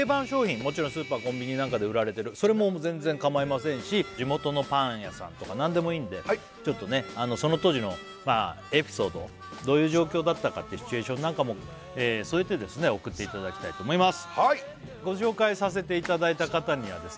もちろんスーパーコンビニなんかで売られてるそれも全然かまいませんし地元のパン屋さんとか何でもいいんでその当時のエピソードどういう状況だったかってシチュエーションなんかも添えて送っていただきたいと思います